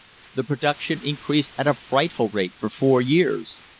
The production increased at a frightful rate for four years.